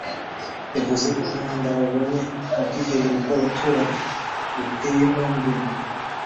yavuze ko umwanda babonye mu bwiherero bw’abaturage uteye impungenge